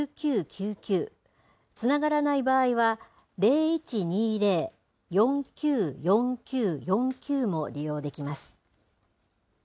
９９９９、つながらない場合は、０１２０ー４９４９４９も利用できます。